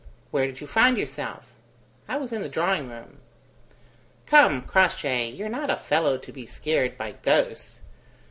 ..." "Where did you find yourself?" "I was in the drawing room." "Come, Crossjay, you're not a fellow to be scared by ghosts?